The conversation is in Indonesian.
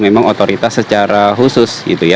memang otoritas secara khusus